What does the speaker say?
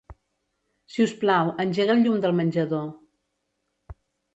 Si us plau, engega el llum del menjador.